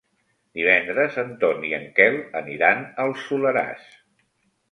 Divendres en Ton i en Quel aniran al Soleràs.